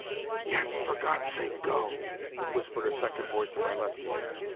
"Yes, for God's sake go," whispered a second voice in my left ear.